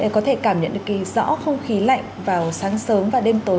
có thể cảm nhận được kỳ rõ không khí lạnh vào sáng sớm và đêm tối